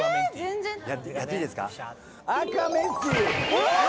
「うわ！